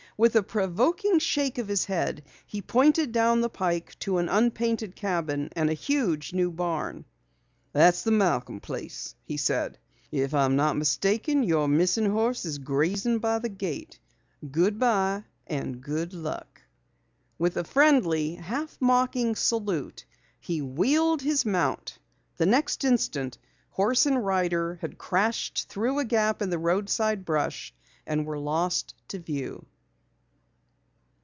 With a provoking shake of his head, he pointed down the pike to an unpainted cabin and a huge new barn. "That's the Malcom place," he said. "If I'm not mistaken your missing horse is grazing by the gate. Goodbye and good luck." With a friendly, half mocking salute, he wheeled his mount. The next instant horse and rider had crashed through a gap in the roadside brush and were lost to view.